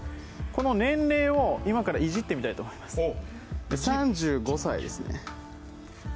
この年齢を今からいじってみたいと思います。